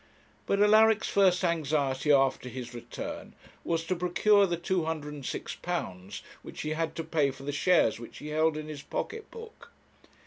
But Alaric's first anxiety after his return was to procure the £206, which he had to pay for the shares which he held in his pocket book.